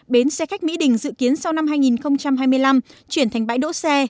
bến xe khách mỹ đình dự kiến sau năm hai nghìn hai mươi năm chuyển thành bãi đỗ xe